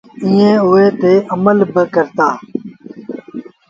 ائيٚݩ اُئي تي امل با ڪرتآ۔